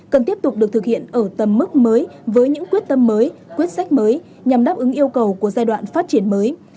cần tiếp tục được thực hiện ở tầm mức mới với những quyết tâm mới quyết sách mới nhằm đáp ứng yêu cầu của giai đoạn phát triển mới